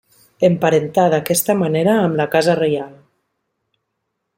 Emparentà d'aquesta manera amb la Casa Reial.